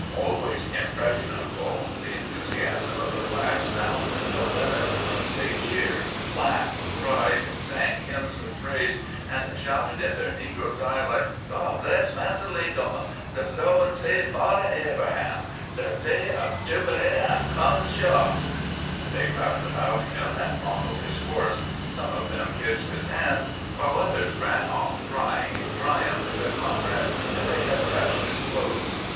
Always impressionable, the enthusiasm of the blacks now knew no limits. They cheered, laughed, cried, sang hymns of praise, and shouted in their negro dialect, " God bress Massa Linkum !"" De Lord save Fader Abraham!" "De day ob jubilee am come, shuah." 220 CAMPAIGNING WITH GKANT They crowded about him and fondled Ms horse ; some of them kissed his hands, while others ran off crying in triumph to their comrades that they had touched his clothes.